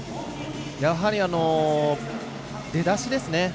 やはり、出だしですね。